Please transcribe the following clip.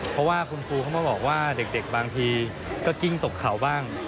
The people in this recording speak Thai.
เพราะว่าคุณครูเขามาบอกว่าเด็กบางทีก็กิ้งตกเขาบ้าง